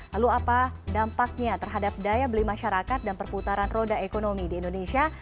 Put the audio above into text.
lalu apa dampaknya terhadap daya beli masyarakat dan perputaran roda ekonomi di indonesia